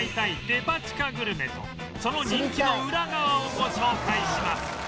デパ地下グルメとその人気のウラ側をご紹介します